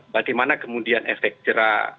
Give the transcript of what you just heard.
bagaimana kemudian efek jerah